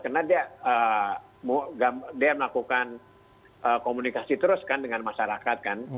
karena dia melakukan komunikasi terus kan dengan masyarakat kan